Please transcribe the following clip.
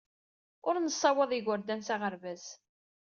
Ur nessawaḍ igerdan s aɣerbaz.